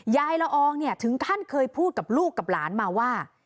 ละอองเนี่ยถึงขั้นเคยพูดกับลูกกับหลานมาว่า